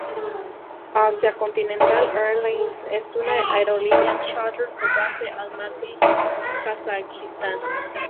Asia Continental Airlines es una aerolínea chárter con base en Almaty, Kazajistán.